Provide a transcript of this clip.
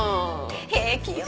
平気よ